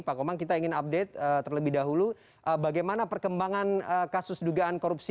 pak komang kita ingin update terlebih dahulu bagaimana perkembangan kasus dugaan korupsi